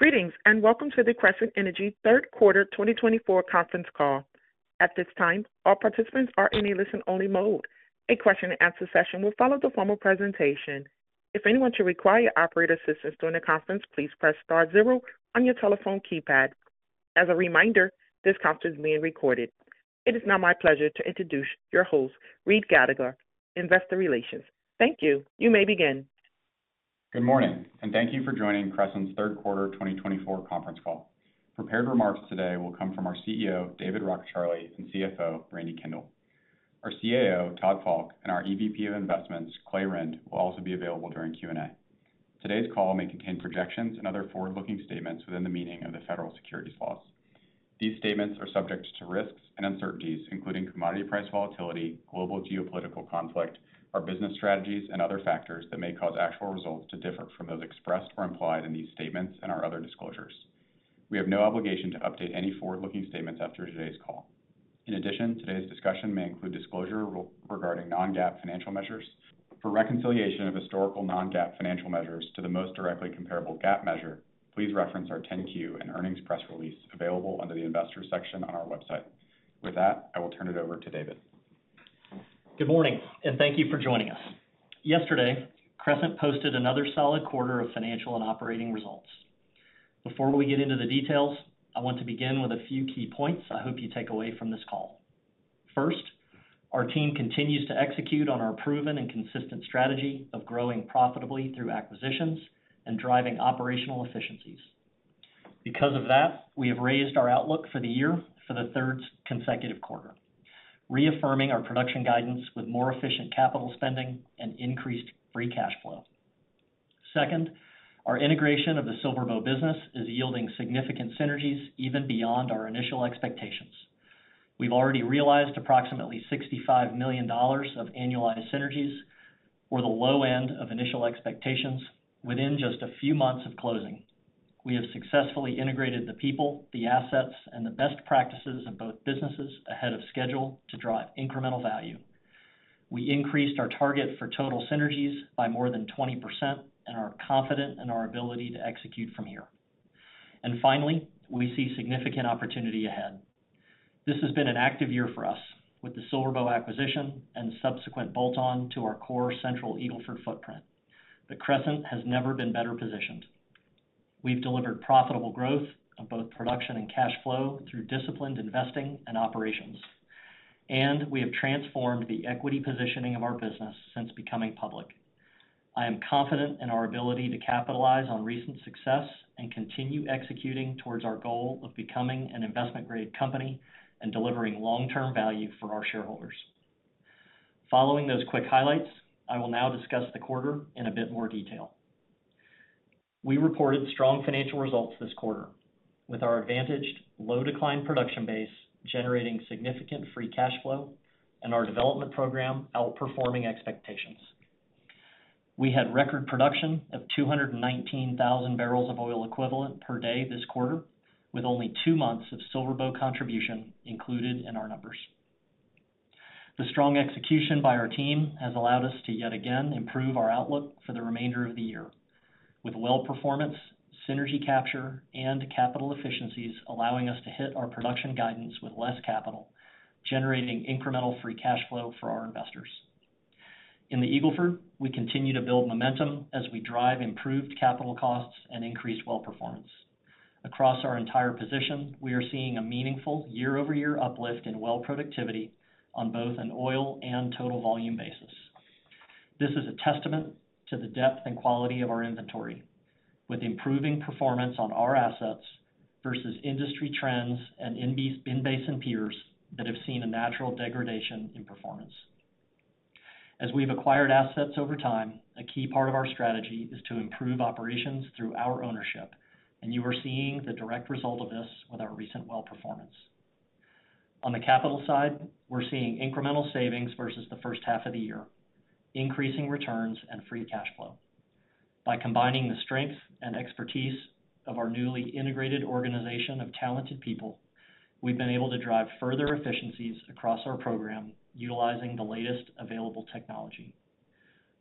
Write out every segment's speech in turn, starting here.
Greetings and welcome to the Crescent Energy third quarter 2024 conference call. At this time, all participants are in a listen-only mode. A question-and-answer session will follow the formal presentation. If anyone should require your operator assistance during the conference, please press star zero on your telephone keypad. As a reminder, this conference is being recorded. It is now my pleasure to introduce your host, Reid Gallagher, Investor Relations. Thank you. You may begin. Good morning, and thank you for joining Crescent's third quarter 2024 conference call. Prepared remarks today will come from our CEO, David Rockecharlie, and CFO, Brandi Kendall. Our CAO, Todd Falk, and our EVP of Investments, Clay Rynd, will also be available during Q&A. Today's call may contain projections and other forward-looking statements within the meaning of the federal securities laws. These statements are subject to risks and uncertainties, including commodity price volatility, global geopolitical conflict, our business strategies, and other factors that may cause actual results to differ from those expressed or implied in these statements and our other disclosures. We have no obligation to update any forward-looking statements after today's call. In addition, today's discussion may include disclosure regarding non-GAAP financial measures. For reconciliation of historical non-GAAP financial measures to the most directly comparable GAAP measure, please reference our 10-Q and earnings press release available under the Investor section on our website. With that, I will turn it over to David. Good morning, and thank you for joining us. Yesterday, Crescent posted another solid quarter of financial and operating results. Before we get into the details, I want to begin with a few key points I hope you take away from this call. First, our team continues to execute on our proven and consistent strategy of growing profitably through acquisitions and driving operational efficiencies. Because of that, we have raised our outlook for the year for the third consecutive quarter, reaffirming our production guidance with more efficient capital spending and increased free cash flow. Second, our integration of the SilverBow business is yielding significant synergies even beyond our initial expectations. We've already realized approximately $65 million of annualized synergies or the low end of initial expectations within just a few months of closing. We have successfully integrated the people, the assets, and the best practices of both businesses ahead of schedule to drive incremental value. We increased our target for total synergies by more than 20% and are confident in our ability to execute from here. And finally, we see significant opportunity ahead. This has been an active year for us with the SilverBow acquisition and subsequent bolt-on to our core Central Eagle Ford footprint. But Crescent has never been better positioned. We've delivered profitable growth of both production and cash flow through disciplined investing and operations, and we have transformed the equity positioning of our business since becoming public. I am confident in our ability to capitalize on recent success and continue executing towards our goal of becoming an investment-grade company and delivering long-term value for our shareholders. Following those quick highlights, I will now discuss the quarter in a bit more detail. We reported strong financial results this quarter with our advantaged low-decline production base generating significant free cash flow and our development program outperforming expectations. We had record production of 219,000 barrels of oil equivalent per day this quarter, with only two months of SilverBow contribution included in our numbers. The strong execution by our team has allowed us to yet again improve our outlook for the remainder of the year, with well-performance, synergy capture, and capital efficiencies allowing us to hit our production guidance with less capital, generating incremental free cash flow for our investors. In the Eagle Ford, we continue to build momentum as we drive improved capital costs and increased well-performance. Across our entire position, we are seeing a meaningful year-over-year uplift in well productivity on both an oil and total volume basis. This is a testament to the depth and quality of our inventory, with improving performance on our assets versus industry trends and in-basin and peers that have seen a natural degradation in performance. As we've acquired assets over time, a key part of our strategy is to improve operations through our ownership, and you are seeing the direct result of this with our recent well performance. On the capital side, we're seeing incremental savings versus the first half of the year, increasing returns and free cash flow. By combining the strength and expertise of our newly integrated organization of talented people, we've been able to drive further efficiencies across our program utilizing the latest available technology.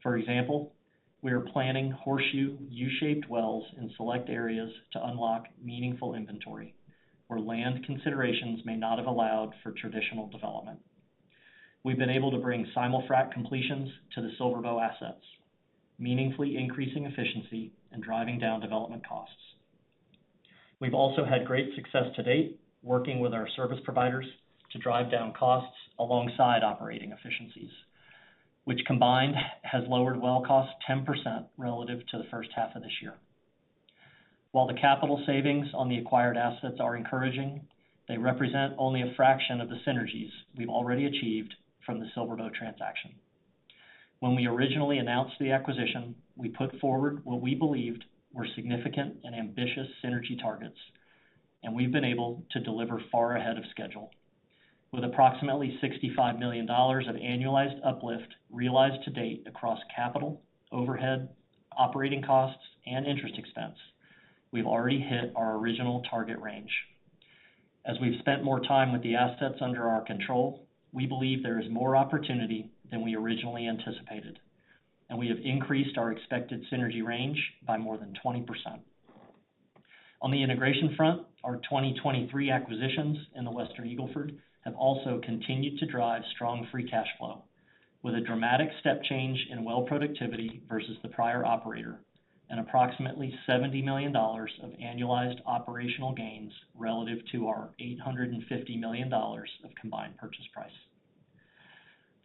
For example, we are planning horseshoe U-shaped wells in select areas to unlock meaningful inventory where land considerations may not have allowed for traditional development. We've been able to bring Simul-frac completions to the SilverBow assets, meaningfully increasing efficiency and driving down development costs. We've also had great success to date working with our service providers to drive down costs alongside operating efficiencies, which combined has lowered well costs 10% relative to the first half of this year. While the capital savings on the acquired assets are encouraging, they represent only a fraction of the synergies we've already achieved from the SilverBow transaction. When we originally announced the acquisition, we put forward what we believed were significant and ambitious synergy targets, and we've been able to deliver far ahead of schedule. With approximately $65 million of annualized uplift realized to date across capital, overhead, operating costs, and interest expense, we've already hit our original target range. As we've spent more time with the assets under our control, we believe there is more opportunity than we originally anticipated, and we have increased our expected synergy range by more than 20%. On the integration front, our 2023 acquisitions in the Western Eagle Ford have also continued to drive strong free cash flow with a dramatic step change in well productivity versus the prior operator and approximately $70 million of annualized operational gains relative to our $850 million of combined purchase price.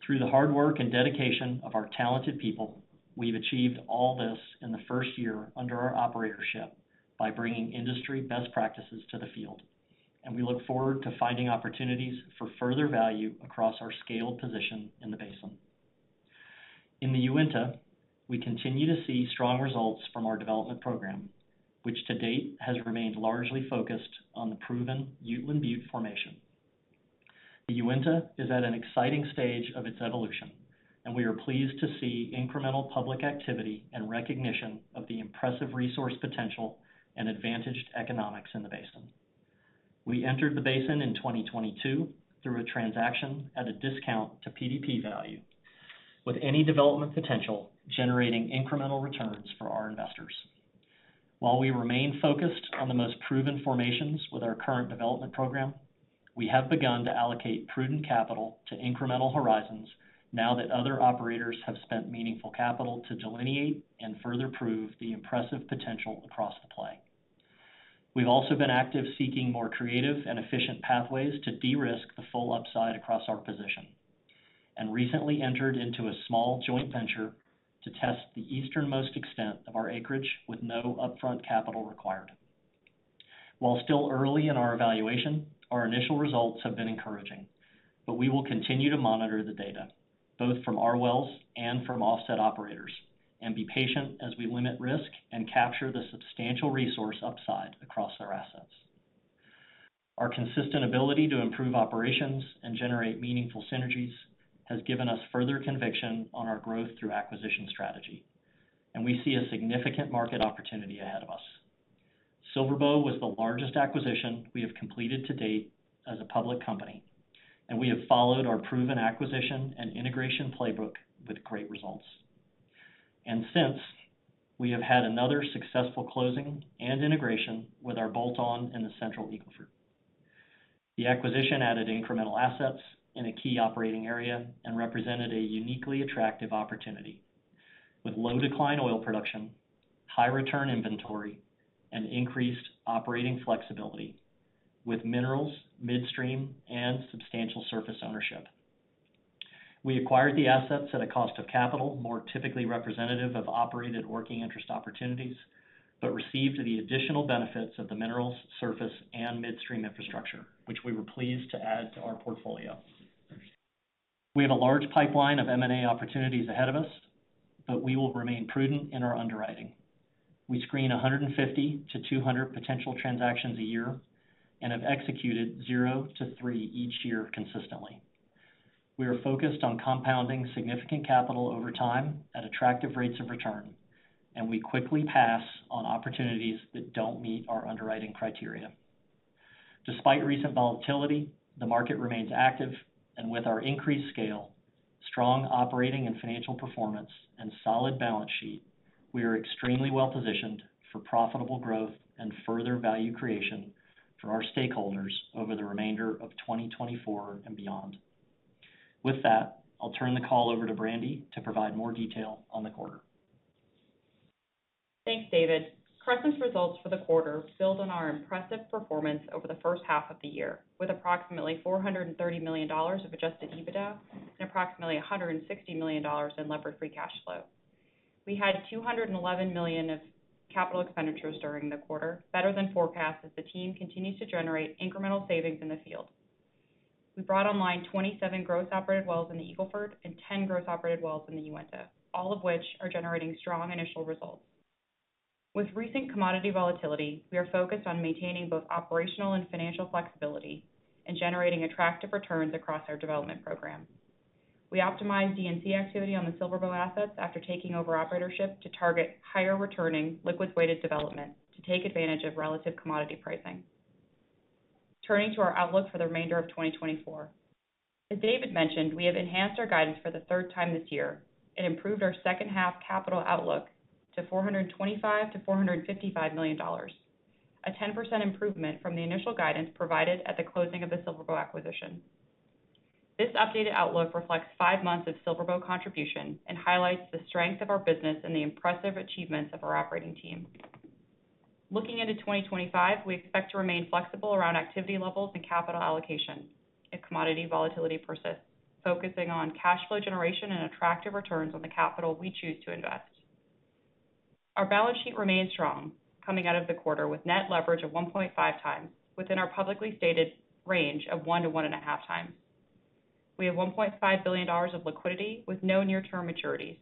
Through the hard work and dedication of our talented people, we've achieved all this in the first year under our operatorship by bringing industry best practices to the field, and we look forward to finding opportunities for further value across our scaled position in the basin. In the Uinta, we continue to see strong results from our development program, which to date has remained largely focused on the proven Uteland Butte formation. The Uinta is at an exciting stage of its evolution, and we are pleased to see incremental public activity and recognition of the impressive resource potential and advantaged economics in the basin. We entered the basin in 2022 through a transaction at a discount to PDP value, with any development potential generating incremental returns for our investors. While we remain focused on the most proven formations with our current development program, we have begun to allocate prudent capital to incremental horizons now that other operators have spent meaningful capital to delineate and further prove the impressive potential across the play. We've also been active seeking more creative and efficient pathways to de-risk the full upside across our position and recently entered into a small joint venture to test the easternmost extent of our acreage with no upfront capital required. While still early in our evaluation, our initial results have been encouraging, but we will continue to monitor the data both from our wells and from offset operators and be patient as we limit risk and capture the substantial resource upside across our assets. Our consistent ability to improve operations and generate meaningful synergies has given us further conviction on our growth through acquisition strategy, and we see a significant market opportunity ahead of us. SilverBow was the largest acquisition we have completed to date as a public company, and we have followed our proven acquisition and integration playbook with great results. And since we have had another successful closing and integration with our bolt-on in the Central Eagle Ford, the acquisition added incremental assets in a key operating area and represented a uniquely attractive opportunity with low-decline oil production, high-return inventory, and increased operating flexibility with minerals midstream and substantial surface ownership. We acquired the assets at a cost of capital more typically representative of operated working interest opportunities, but received the additional benefits of the minerals, surface, and midstream infrastructure, which we were pleased to add to our portfolio. We have a large pipeline of M&A opportunities ahead of us, but we will remain prudent in our underwriting. We screen 150-200 potential transactions a year and have executed zero to three each year consistently. We are focused on compounding significant capital over time at attractive rates of return, and we quickly pass on opportunities that don't meet our underwriting criteria. Despite recent volatility, the market remains active, and with our increased scale, strong operating and financial performance, and solid balance sheet, we are extremely well positioned for profitable growth and further value creation for our stakeholders over the remainder of 2024 and beyond. With that, I'll turn the call over to Brandi to provide more detail on the quarter. Thanks, David. Crescent's results for the quarter build on our impressive performance over the first half of the year with approximately $430 million of Adjusted EBITDA and approximately $160 million in Levered Free Cash Flow. We had $211 million of capital expenditures during the quarter, better than forecast as the team continues to generate incremental savings in the field. We brought online 27 gross operated wells in the Eagle Ford and 10 gross operated wells in the Uinta, all of which are generating strong initial results. With recent commodity volatility, we are focused on maintaining both operational and financial flexibility and generating attractive returns across our development program. We optimized DNC activity on the SilverBow assets after taking over operatorship to target higher returning liquids-weighted development to take advantage of relative commodity pricing. Turning to our outlook for the remainder of 2024, as David mentioned, we have enhanced our guidance for the third time this year and improved our second-half capital outlook to $425-455 million, a 10% improvement from the initial guidance provided at the closing of the SilverBow acquisition. This updated outlook reflects five months of SilverBow contribution and highlights the strength of our business and the impressive achievements of our operating team. Looking into 2025, we expect to remain flexible around activity levels and capital allocation if commodity volatility persists, focusing on cash flow generation and attractive returns on the capital we choose to invest. Our balance sheet remains strong coming out of the quarter with net leverage of 1.5x within our publicly stated range of 1-1.5x. We have $1.5 billion of liquidity with no near-term maturities.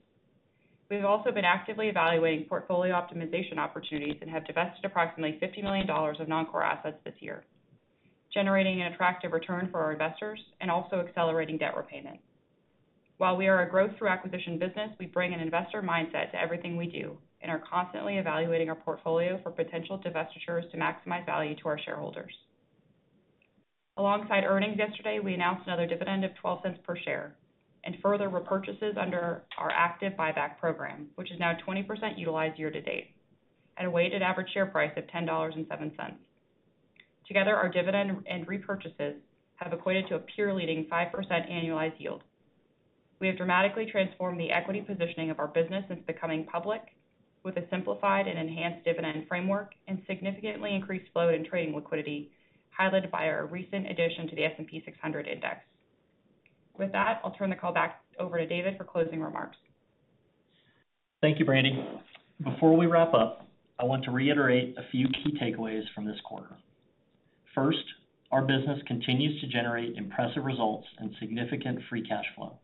We have also been actively evaluating portfolio optimization opportunities and have divested approximately $50 million of non-core assets this year, generating an attractive return for our investors and also accelerating debt repayment. While we are a growth-through-acquisition business, we bring an investor mindset to everything we do and are constantly evaluating our portfolio for potential divestitures to maximize value to our shareholders. Alongside earnings yesterday, we announced another dividend of $0.12 per share and further repurchases under our active buyback program, which is now 20% utilized year to date at a weighted average share price of $10.07. Together, our dividend and repurchases have equated to a peer-leading 5% annualized yield. We have dramatically transformed the equity positioning of our business since becoming public with a simplified and enhanced dividend framework and significantly increased flow and trading liquidity highlighted by our recent addition to the S&P 600 Index. With that, I'll turn the call back over to David for closing remarks. Thank you, Brandi. Before we wrap up, I want to reiterate a few key takeaways from this quarter. First, our business continues to generate impressive results and significant free cash flow.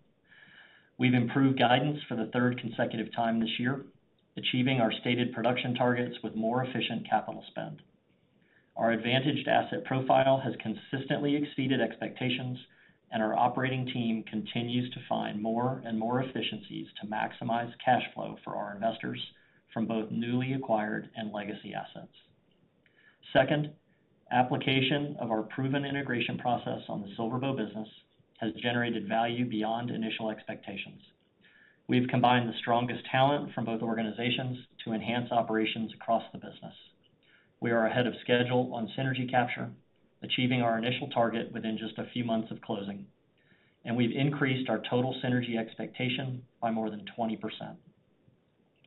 We've improved guidance for the third consecutive time this year, achieving our stated production targets with more efficient capital spend. Our advantaged asset profile has consistently exceeded expectations, and our operating team continues to find more and more efficiencies to maximize cash flow for our investors from both newly acquired and legacy assets. Second, application of our proven integration process on the SilverBow business has generated value beyond initial expectations. We've combined the strongest talent from both organizations to enhance operations across the business. We are ahead of schedule on synergy capture, achieving our initial target within just a few months of closing, and we've increased our total synergy expectation by more than 20%.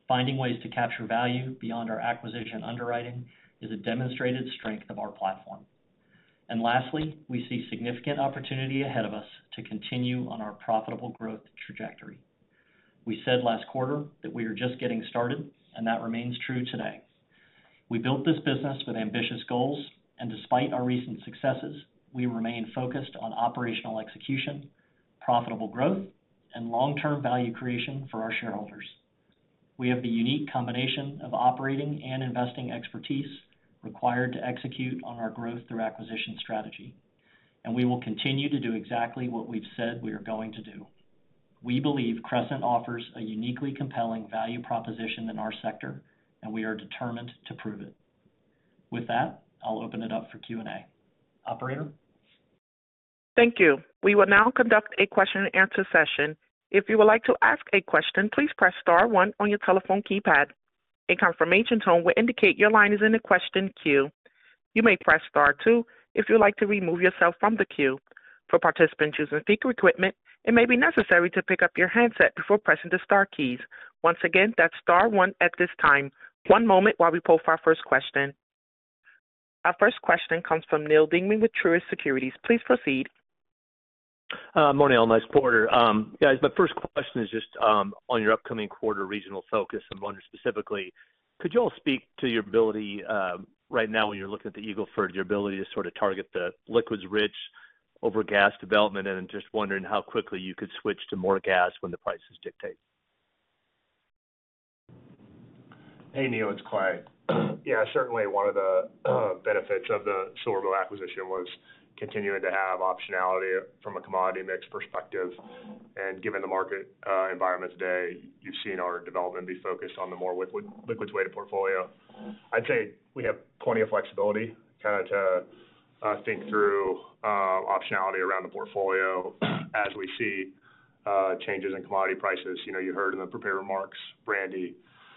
Finding ways to capture value beyond our acquisition underwriting is a demonstrated strength of our platform. And lastly, we see significant opportunity ahead of us to continue on our profitable growth trajectory. We said last quarter that we are just getting started, and that remains true today. We built this business with ambitious goals, and despite our recent successes, we remain focused on operational execution, profitable growth, and long-term value creation for our shareholders. We have the unique combination of operating and investing expertise required to execute on our growth through acquisition strategy, and we will continue to do exactly what we've said we are going to do. We believe Crescent offers a uniquely compelling value proposition in our sector, and we are determined to prove it. With that, I'll open it up for Q&A. Operator. Thank you. We will now conduct a question-and-answer session. If you would like to ask a question, please press star one on your telephone keypad. A confirmation tone will indicate your line is in the question queue. You may press star two if you'd like to remove yourself from the queue. For participants using speaker equipment, it may be necessary to pick up your handset before pressing the star keys. Once again, that's star one at this time. One moment while we pull up our first question. Our first question comes from Neal Dingman with Truist Securities. Please proceed. Morning, all. Nice quarter. Guys, my first question is just on your upcoming quarter regional focus. I'm wondering specifically, could you all speak to your ability right now when you're looking at the Eagle Ford, your ability to sort of target the liquids-rich over gas development, and just wondering how quickly you could switch to more gas when the prices dictate? Hey, Neil. It's Clay. Yeah, certainly one of the benefits of the SilverBow acquisition was continuing to have optionality from a commodity mix perspective. Given the market environment today, you've seen our development be focused on the more liquids-weighted portfolio. I'd say we have plenty of flexibility kind of to think through optionality around the portfolio as we see changes in commodity prices. You heard in the prepared remarks, Brandi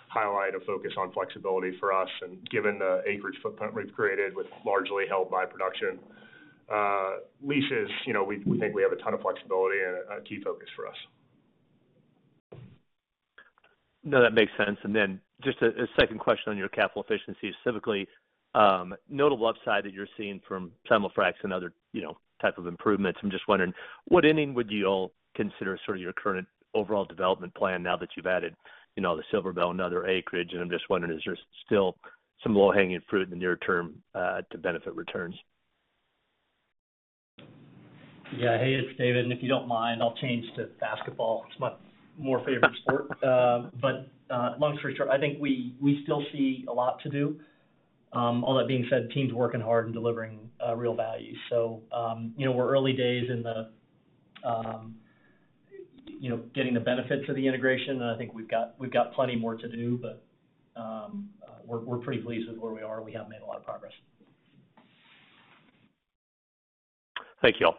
highlight a focus on flexibility for us. Given the acreage footprint we've created with largely held by production leases, we think we have a ton of flexibility and a key focus for us. No, that makes sense, and then just a second question on your capital efficiency. Specifically, notable upside that you're seeing from Simul-frac and other types of improvements. I'm just wondering, what would you all consider sort of your current overall development plan now that you've added the SilverBow and other acreage, and I'm just wondering, is there still some low-hanging fruit in the near term to benefit returns? Yeah. Hey, it's David, and if you don't mind, I'll change to basketball. It's my more favorite sport, but long story short, I think we still see a lot to do. All that being said, the team's working hard and delivering real value, so we're early days in getting the benefits of the integration, and I think we've got plenty more to do, but we're pretty pleased with where we are. We have made a lot of progress. Thank you all.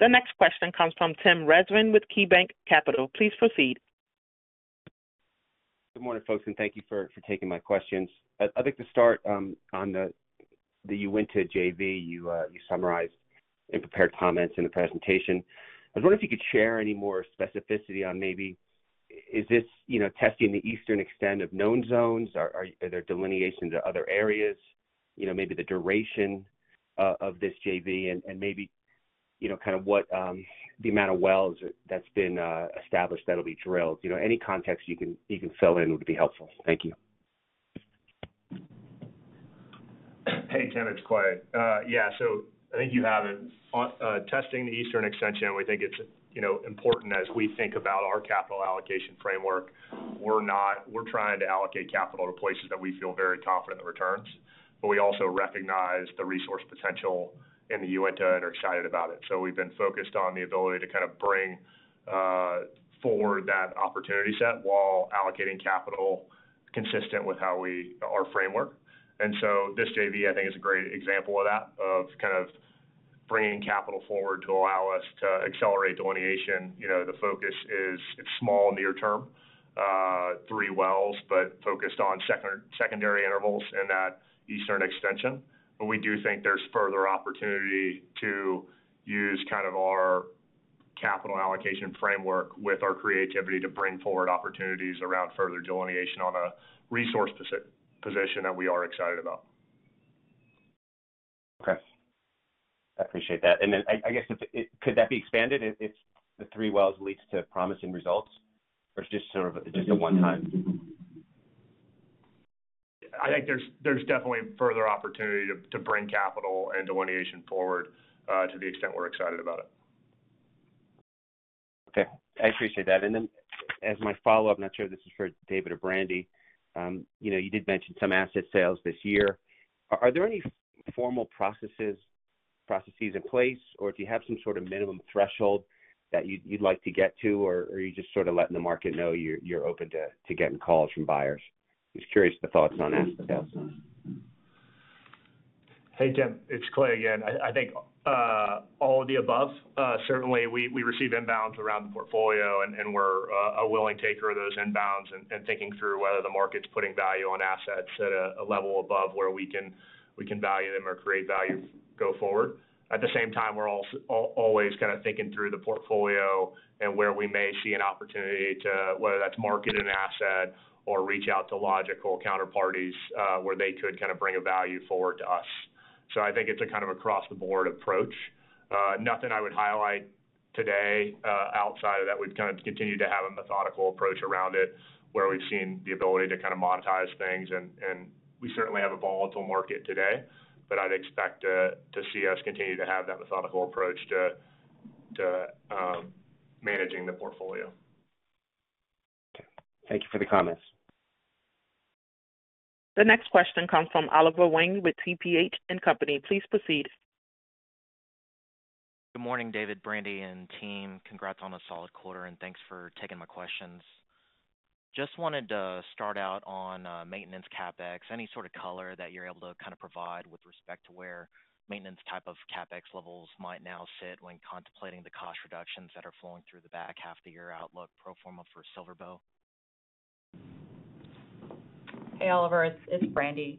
The next question comes from Tim Rezvan with KeyBanc Capital Markets. Please proceed. Good morning, folks, and thank you for taking my questions. I'd like to start on the Uinta JV you summarized and prepared comments in the presentation. I was wondering if you could share any more specificity on maybe is this testing the eastern extent of known zones? Are there delineations of other areas, maybe the duration of this JV, and maybe kind of what the amount of wells that's been established that'll be drilled? Any context you can fill in would be helpful. Thank you. Hey, Tim. It's Clay. Yeah. So I think you have it. Testing the eastern extension, we think it's important as we think about our capital allocation framework. We're trying to allocate capital to places that we feel very confident in the returns, but we also recognize the resource potential in the Uinta and are excited about it. So we've been focused on the ability to kind of bring forward that opportunity set while allocating capital consistent with our framework. And so this JV, I think, is a great example of that, of kind of bringing capital forward to allow us to accelerate delineation. The focus is small near-term, three wells, but focused on secondary intervals in that eastern extension. But we do think there's further opportunity to use kind of our capital allocation framework with our creativity to bring forward opportunities around further delineation on a resource position that we are excited about. Okay. I appreciate that. And then I guess, could that be expanded if the three wells leads to promising results or just a one-time? I think there's definitely further opportunity to bring capital and delineation forward to the extent we're excited about it. Okay. I appreciate that. And then as my follow-up, I'm not sure if this is for David or Brandi. You did mention some asset sales this year. Are there any formal processes in place, or do you have some sort of minimum threshold that you'd like to get to, or are you just sort of letting the market know you're open to getting calls from buyers? Just curious about the thoughts on asset sales. Hey, Tim. It's Clay again. I think all of the above. Certainly, we receive inbounds around the portfolio, and we're a willing taker of those inbounds and thinking through whether the market's putting value on assets at a level above where we can value them or create value go forward. At the same time, we're always kind of thinking through the portfolio and where we may see an opportunity to, whether that's market an asset or reach out to logical counterparties where they could kind of bring a value forward to us. So I think it's a kind of across-the-board approach. Nothing I would highlight today outside of that. We've kind of continued to have a methodical approach around it where we've seen the ability to kind of monetize things. We certainly have a volatile market today, but I'd expect to see us continue to have that methodical approach to managing the portfolio. Okay. Thank you for the comments. The next question comes from Oliver Huang with TPH & Co. Please proceed. Good morning, David, Brandi, and team. Congrats on a solid quarter, and thanks for taking my questions. Just wanted to start out on maintenance CapEx, any sort of color that you're able to kind of provide with respect to where maintenance type of CapEx levels might now sit when contemplating the cost reductions that are flowing through the back half of the year outlook pro forma for SilverBow? Hey, Oliver. It's Brandi.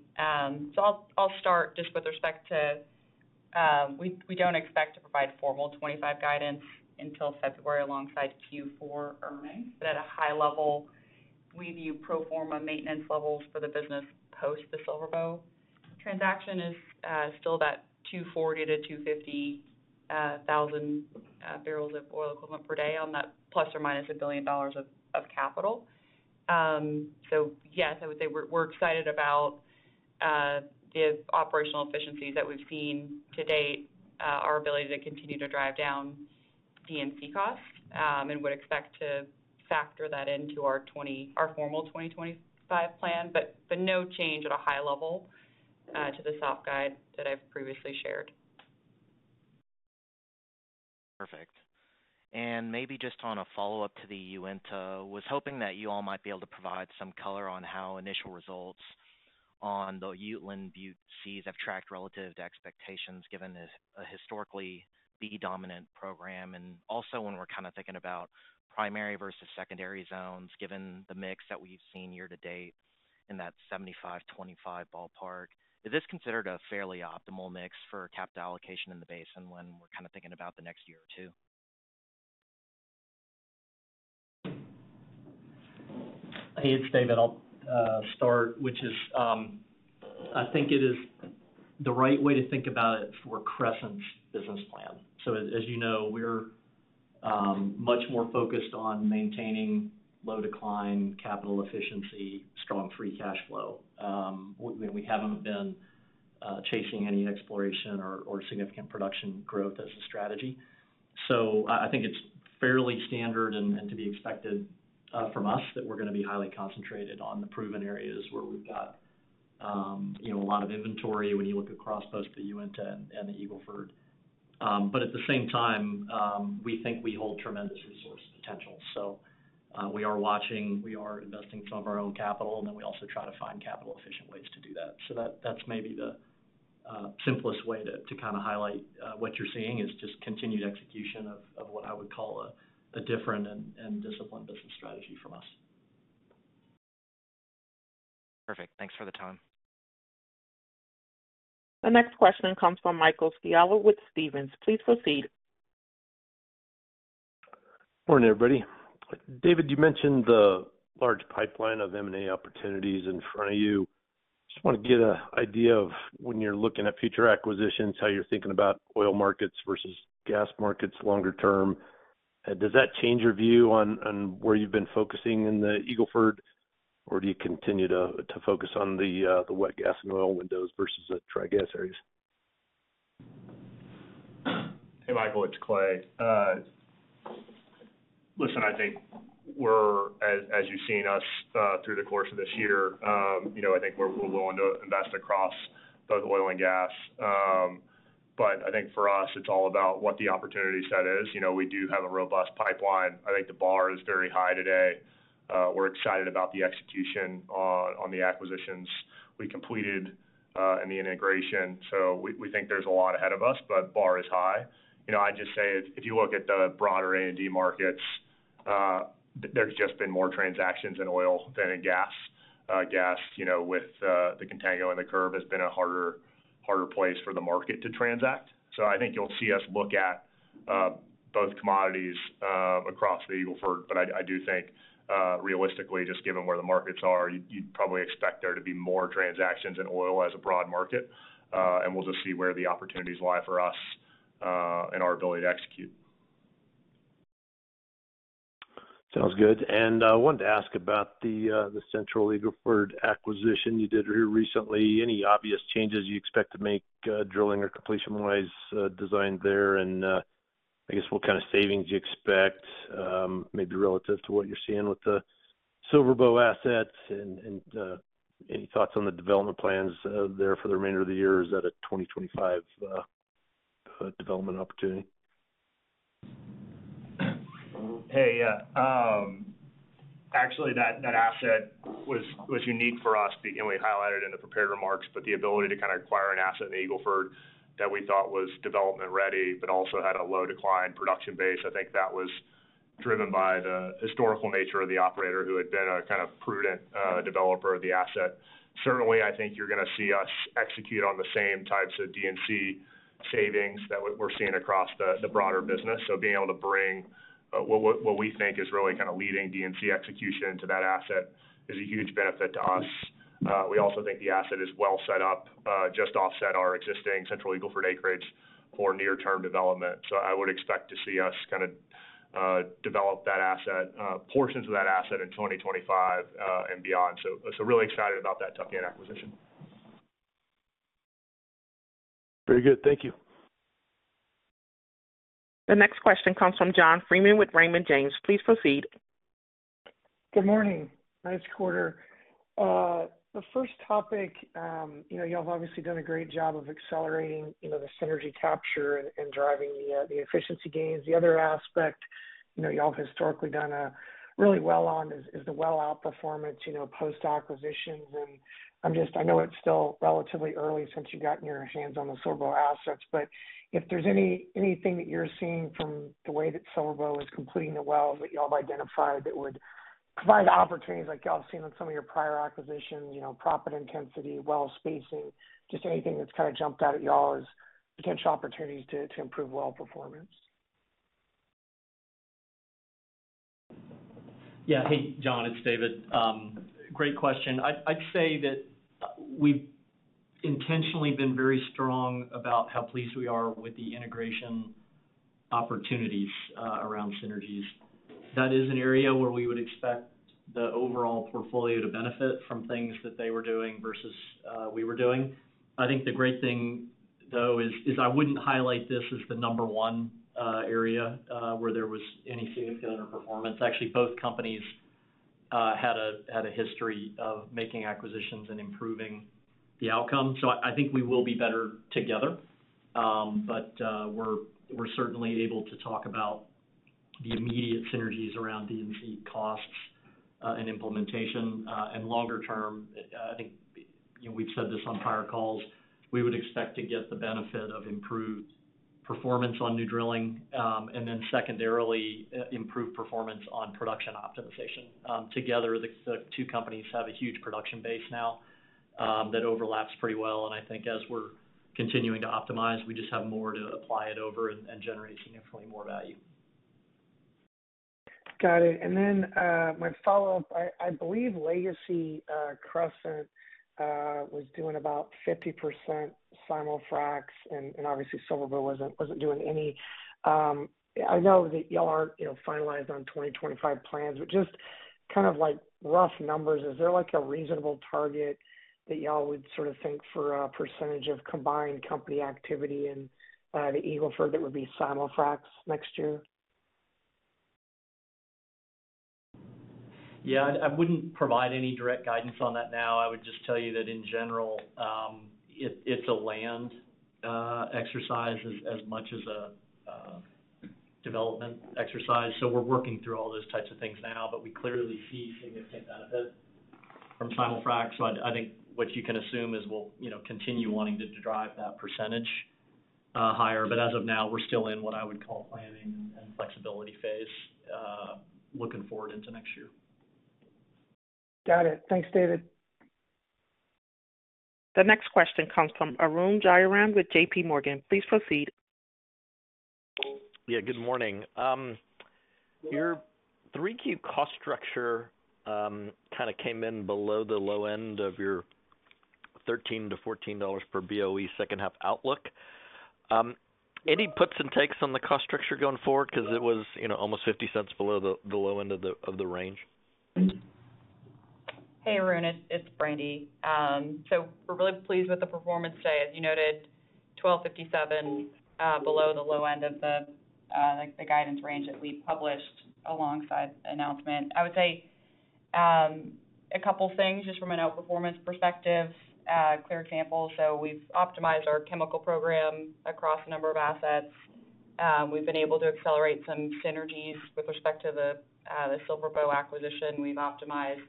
So I'll start just with respect to, we don't expect to provide formal 2025 guidance until February alongside Q4 earnings. But at a high level, we view pro forma maintenance levels for the business post the SilverBow transaction is still that 240,000-250,000 barrels of oil equivalent per day on that plus or minus $1 billion of capital. So yes, I would say we're excited about the operational efficiencies that we've seen to date, our ability to continue to drive down DNC costs, and would expect to factor that into our formal 2025 plan, but no change at a high level to the soft guide that I've previously shared. Perfect, and maybe just on a follow-up to the Uinta, was hoping that you all might be able to provide some color on how initial results on the Uteland Buttes have tracked relative to expectations given a historically B-dominant program, and also when we're kind of thinking about primary versus secondary zones, given the mix that we've seen year to date in that 75-25 ballpark, is this considered a fairly optimal mix for capital allocation in the basin when we're kind of thinking about the next year or two? Hey, it's David. I'll start, which is I think it is the right way to think about it for Crescent's business plan. So as you know, we're much more focused on maintaining low decline, capital efficiency, strong free cash flow. We haven't been chasing any exploration or significant production growth as a strategy. So I think it's fairly standard and to be expected from us that we're going to be highly concentrated on the proven areas where we've got a lot of inventory when you look across both the Uinta and the Eagle Ford. But at the same time, we think we hold tremendous resource potential. So we are watching. We are investing some of our own capital, and then we also try to find capital-efficient ways to do that. So that's maybe the simplest way to kind of highlight what you're seeing is just continued execution of what I would call a different and disciplined business strategy from us. Perfect. Thanks for the time. The next question comes from Michael Scialla with Stephens. Please proceed. Morning, everybody. David, you mentioned the large pipeline of M&A opportunities in front of you. Just want to get an idea of when you're looking at future acquisitions, how you're thinking about oil markets versus gas markets longer term. Does that change your view on where you've been focusing in the Eagle Ford, or do you continue to focus on the wet gas and oil windows versus the dry gas areas? Hey, Michael. It's Clay. Listen, I think we're, as you've seen us through the course of this year, I think we're willing to invest across both oil and gas. But I think for us, it's all about what the opportunity set is. We do have a robust pipeline. I think the bar is very high today. We're excited about the execution on the acquisitions we completed and the integration. So we think there's a lot ahead of us, but the bar is high. I'd just say if you look at the broader A&D markets, there's just been more transactions in oil than in gas. Gas with the Contango and the curve has been a harder place for the market to transact. So I think you'll see us look at both commodities across the Eagle Ford. But I do think realistically, just given where the markets are, you'd probably expect there to be more transactions in oil as a broad market. And we'll just see where the opportunities lie for us and our ability to execute. Sounds good, and I wanted to ask about the Central Eagle Ford acquisition you did here recently. Any obvious changes you expect to make drilling or completion-wise design there, and I guess what kind of savings you expect maybe relative to what you're seeing with the SilverBow assets, and any thoughts on the development plans there for the remainder of the year? Is that a 2025 development opportunity? Hey, yeah. Actually, that asset was unique for us. We highlighted it in the prepared remarks, but the ability to kind of acquire an asset in the Eagle Ford that we thought was development-ready but also had a low-decline production base, I think that was driven by the historical nature of the operator who had been a kind of prudent developer of the asset. Certainly, I think you're going to see us execute on the same types of DNC savings that we're seeing across the broader business. So being able to bring what we think is really kind of leading DNC execution to that asset is a huge benefit to us. We also think the asset is well set up, just offset our existing Central Eagle Ford acreage for near-term development. So I would expect to see us kind of develop that asset, portions of that asset in 2025 and beyond. Really excited about that Contango acquisition. Very good. Thank you. The next question comes from John Freeman with Raymond James. Please proceed. Good morning. Nice quarter. The first topic, you all have obviously done a great job of accelerating the synergy capture and driving the efficiency gains. The other aspect you all have historically done really well on is the well outperformance post-acquisitions. I know it's still relatively early since you've gotten your hands on the SilverBow assets, but if there's anything that you're seeing from the way that SilverBow is completing the wells that you all have identified that would provide opportunities like you all have seen on some of your prior acquisitions, proppant intensity, well spacing, just anything that's kind of jumped out at you all as potential opportunities to improve well performance. Yeah. Hey, John. It's David. Great question. I'd say that we've intentionally been very strong about how pleased we are with the integration opportunities around synergies. That is an area where we would expect the overall portfolio to benefit from things that they were doing versus we were doing. I think the great thing, though, is I wouldn't highlight this as the number one area where there was any significant underperformance. Actually, both companies had a history of making acquisitions and improving the outcome. So I think we will be better together, but we're certainly able to talk about the immediate synergies around DNC costs and implementation. And longer term, I think we've said this on prior calls, we would expect to get the benefit of improved performance on new drilling and then secondarily improved performance on production optimization. Together, the two companies have a huge production base now that overlaps pretty well, and I think as we're continuing to optimize, we just have more to apply it over and generate significantly more value. Got it. And then my follow-up, I believe Legacy Crescent was doing about 50% Simul-frac, and obviously SilverBow wasn't doing any. I know that you all are finalized on 2025 plans, but just kind of rough numbers, is there a reasonable target that you all would sort of think for a percentage of combined company activity in the Eagle Ford that would be Simul-frac next year? Yeah. I wouldn't provide any direct guidance on that now. I would just tell you that in general, it's a land exercise as much as a development exercise. So we're working through all those types of things now, but we clearly see significant benefit from Simul-frac. So I think what you can assume is we'll continue wanting to drive that percentage higher. But as of now, we're still in what I would call planning and flexibility phase, looking forward into next year. Got it. Thanks, David. The next question comes from Arun Jayaram with J.P. Morgan. Please proceed. Yeah. Good morning. Your 3Q cost structure kind of came in below the low end of your $13-14 per BOE second-half outlook. Any puts and takes on the cost structure going forward because it was almost $0.50 below the low end of the range? Hey, Arun. It's Brandi. So we're really pleased with the performance today. As you noted, $12.57 below the low end of the guidance range that we published alongside the announcement. I would say a couple of things just from an outperformance perspective, clear example. So we've optimized our chemical program across a number of assets. We've been able to accelerate some synergies with respect to the SilverBow acquisition. We've optimized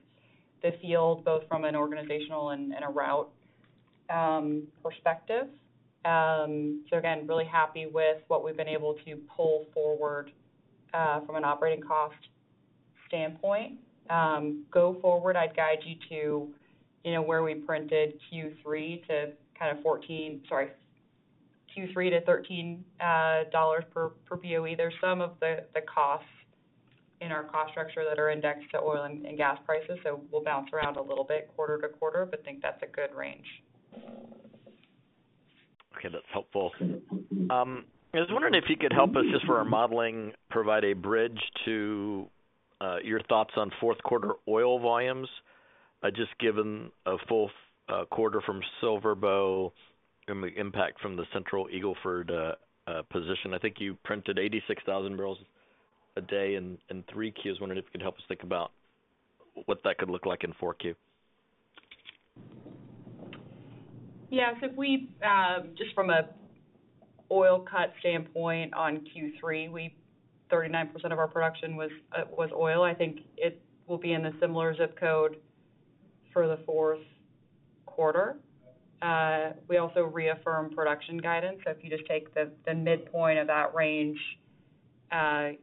the field both from an organizational and a route perspective. So again, really happy with what we've been able to pull forward from an operating cost standpoint. Going forward, I'd guide you to where we printed Q3 to kind of 14, sorry, Q3 to $13 per BOE. There's some of the costs in our cost structure that are indexed to oil and gas prices. So we'll bounce around a little bit quarter-to-quarter, but think that's a good range. Okay. That's helpful. I was wondering if you could help us just for our modeling, provide a bridge to your thoughts on fourth-quarter oil volumes, just given a full quarter from SilverBow and the impact from the Central Eagle Ford position. I think you printed 86,000 barrels a day in 3Q. I was wondering if you could help us think about what that could look like in 4Q. Yeah. So just from an oil cut standpoint on Q3, 39% of our production was oil. I think it will be in a similar zip code for the fourth quarter. We also reaffirmed production guidance. So if you just take the midpoint of that range,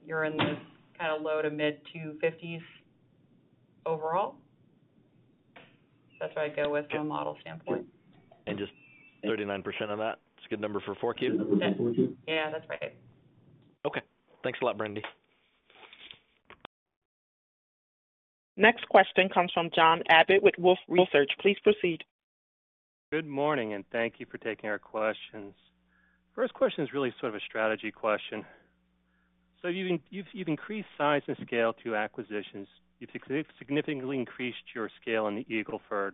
you're in the kind of low to mid-250s overall. That's what I'd go with from a model standpoint. Just 39% of that. It's a good number for 4Q? Yeah. That's right. Okay. Thanks a lot, Brandi. Next question comes from John Abbott with Wolfe Research. Please proceed. Good morning, and thank you for taking our questions. First question is really sort of a strategy question. So you've increased size and scale through acquisitions. You've significantly increased your scale in the Eagle Ford.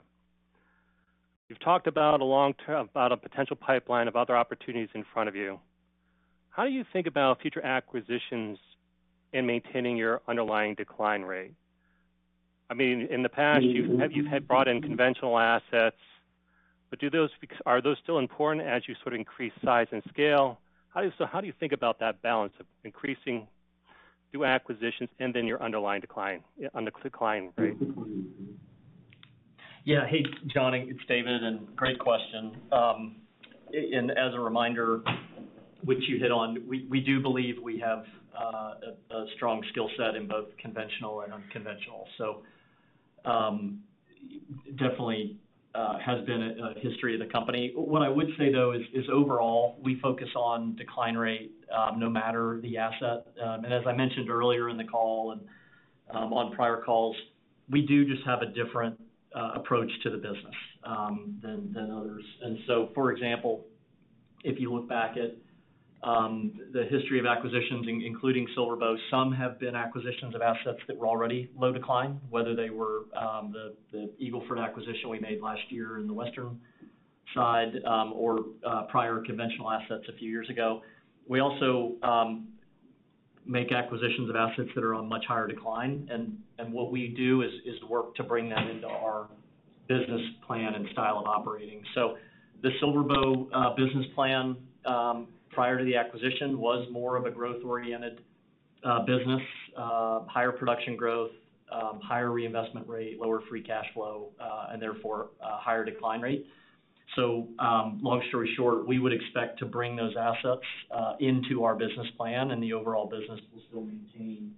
You've talked about a potential pipeline of other opportunities in front of you. How do you think about future acquisitions and maintaining your underlying decline rate? I mean, in the past, you've brought in conventional assets, but are those still important as you sort of increase size and scale? So how do you think about that balance of increasing new acquisitions and then your underlying decline rate? Yeah. Hey, John. It's David. And great question. And as a reminder, which you hit on, we do believe we have a strong skill set in both conventional and unconventional. So definitely has been a history of the company. What I would say, though, is overall, we focus on decline rate no matter the asset. And as I mentioned earlier in the call and on prior calls, we do just have a different approach to the business than others. And so, for example, if you look back at the history of acquisitions, including SilverBow, some have been acquisitions of assets that were already low decline, whether they were the Eagle Ford acquisition we made last year in the Western Eagle Ford or prior conventional assets a few years ago. We also make acquisitions of assets that are on much higher decline. What we do is work to bring that into our business plan and style of operating. So the SilverBow business plan prior to the acquisition was more of a growth-oriented business, higher production growth, higher reinvestment rate, lower free cash flow, and therefore a higher decline rate. So long story short, we would expect to bring those assets into our business plan, and the overall business will still maintain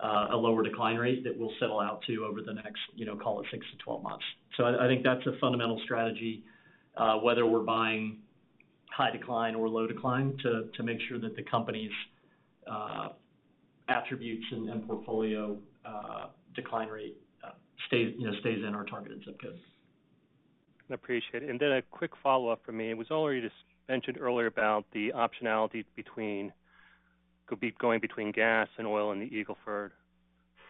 a lower decline rate that we'll settle out to over the next, call it, 6 to 12 months. So I think that's a fundamental strategy, whether we're buying high decline or low decline, to make sure that the company's attributes and portfolio decline rate stays in our targeted zip code. I appreciate it. And then a quick follow-up for me. It was already mentioned earlier about the optionality going between gas and oil in the Eagle Ford.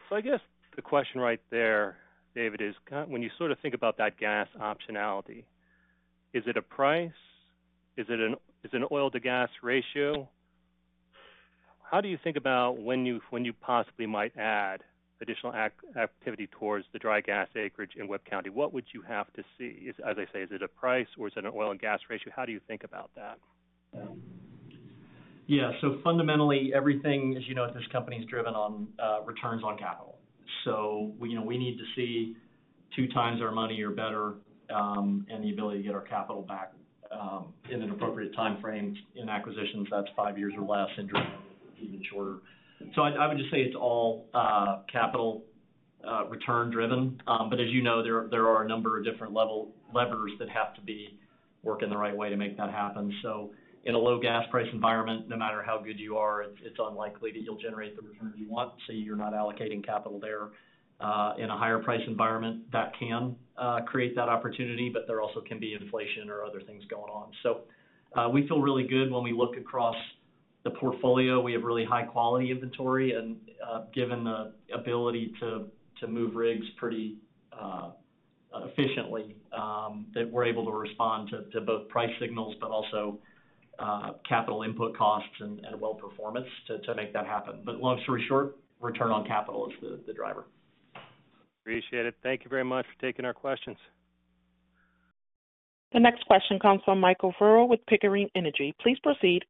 So I guess the question right there, David, is when you sort of think about that gas optionality, is it a price? Is it an oil-to-gas ratio? How do you think about when you possibly might add additional activity towards the dry gas acreage in Webb County? What would you have to see? As I say, is it a price or is it an oil-to-gas ratio? How do you think about that? Yeah. So fundamentally, everything, as you know, at this company is driven on returns on capital. So we need to see two times our money or better and the ability to get our capital back in an appropriate timeframe in acquisitions. That's five years or less and even shorter. So I would just say it's all capital return-driven. But as you know, there are a number of different levers that have to be working the right way to make that happen. So in a low-gas price environment, no matter how good you are, it's unlikely that you'll generate the returns you want. So you're not allocating capital there. In a higher-priced environment, that can create that opportunity, but there also can be inflation or other things going on. So we feel really good when we look across the portfolio. We have really high-quality inventory. And given the ability to move rigs pretty efficiently, that we're able to respond to both price signals but also capital input costs and well-performance to make that happen. But long story short, return on capital is the driver. Appreciate it. Thank you very much for taking our questions. The next question comes from Michael Ferrell with Pickering Energy Partners. Please proceed.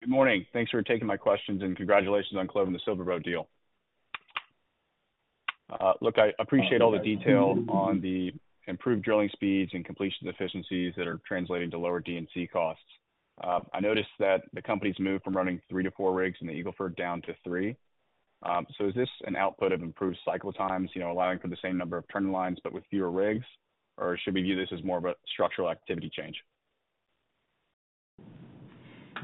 Good morning. Thanks for taking my questions and congratulations on closing the SilverBow deal. Look, I appreciate all the detail on the improved drilling speeds and completion efficiencies that are translating to lower DNC costs. I noticed that the company's moved from running three to four rigs in the Eagle Ford down to three. So is this an output of improved cycle times, allowing for the same number of turn-in-lines but with fewer rigs, or should we view this as more of a structural activity change?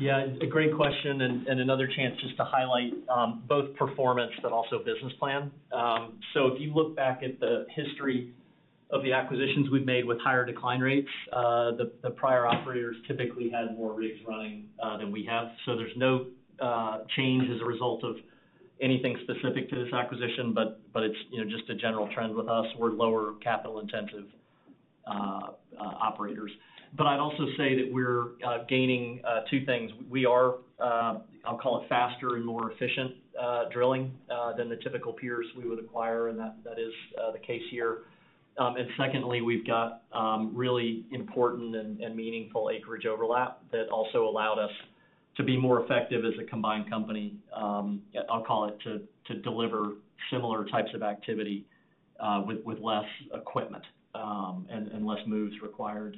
Yeah. It's a great question and another chance just to highlight both performance but also business plan, so if you look back at the history of the acquisitions we've made with higher decline rates, the prior operators typically had more rigs running than we have. So there's no change as a result of anything specific to this acquisition, but it's just a general trend with us. We're lower capital-intensive operators, but I'd also say that we're gaining two things. We are, I'll call it, faster and more efficient drilling than the typical peers we would acquire, and that is the case here, and secondly, we've got really important and meaningful acreage overlap that also allowed us to be more effective as a combined company. I'll call it to deliver similar types of activity with less equipment and less moves required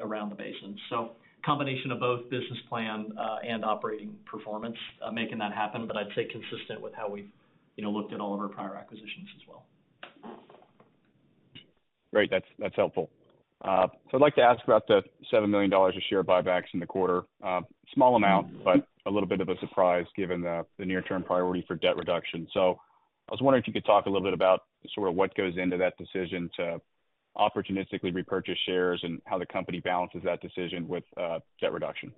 around the basin. So a combination of both business plan and operating performance making that happen, but I'd say consistent with how we've looked at all of our prior acquisitions as well. Great. That's helpful. So I'd like to ask about the $7 million in share buybacks in the quarter. Small amount, but a little bit of a surprise given the near-term priority for debt reduction. So I was wondering if you could talk a little bit about sort of what goes into that decision to opportunistically repurchase shares and how the company balances that decision with debt reduction.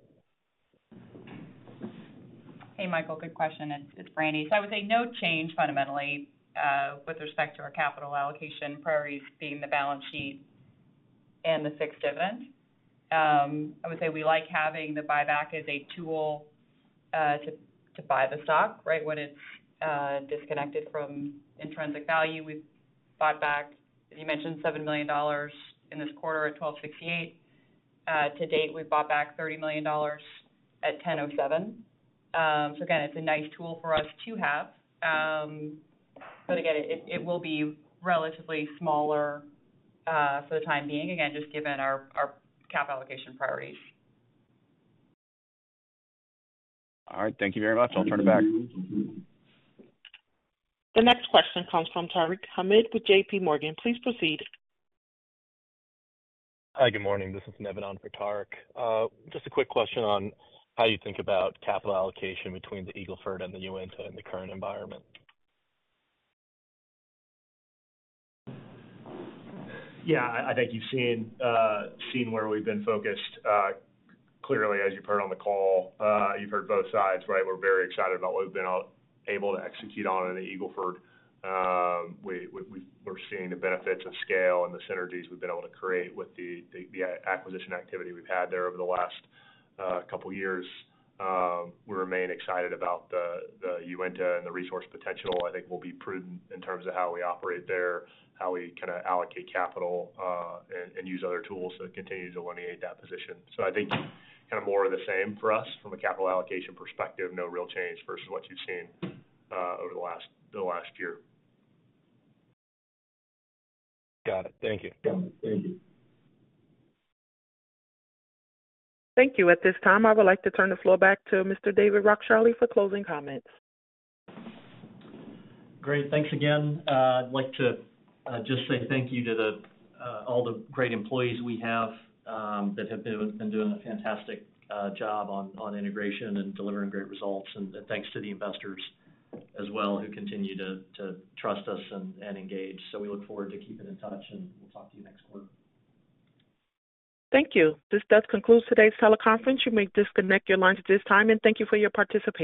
Hey, Michael. Good question. It's Brandi. So I would say no change fundamentally with respect to our capital allocation priorities being the balance sheet and the fixed dividend. I would say we like having the buyback as a tool to buy the stock, right, when it's disconnected from intrinsic value. We've bought back, as you mentioned, $7 million in this quarter at $12.68. To date, we've bought back $30 million at $10.07. So again, it's a nice tool for us to have. But again, it will be relatively smaller for the time being, again, just given our cap allocation priorities. All right. Thank you very much. I'll turn it back. The next question comes from Tarek Hamid with JPMorgan. Please proceed. Hi. Good morning. This is Navin for Tarek. Just a quick question on how you think about capital allocation between the Eagle Ford and the Uinta in the current environment. Yeah. I think you've seen where we've been focused. Clearly, as you've heard on the call, you've heard both sides, right? We're very excited about what we've been able to execute on in the Eagle Ford. We're seeing the benefits of scale and the synergies we've been able to create with the acquisition activity we've had there over the last couple of years. We remain excited about the Uinta and the resource potential. I think we'll be prudent in terms of how we operate there, how we kind of allocate capital, and use other tools to continue to delineate that position. So I think kind of more of the same for us from a capital allocation perspective, no real change versus what you've seen over the last year. Got it. Thank you. Thank you. Thank you. At this time, I would like to turn the floor back to Mr. David Rockecharlie for closing comments. Great. Thanks again. I'd like to just say thank you to all the great employees we have that have been doing a fantastic job on integration and delivering great results, and thanks to the investors as well who continue to trust us and engage, so we look forward to keeping in touch, and we'll talk to you next quarter. Thank you. This does conclude today's teleconference. You may disconnect your lines at this time, and thank you for your participation.